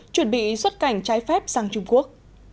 chuẩn bị xuất cảnh trái phép sang trung quốc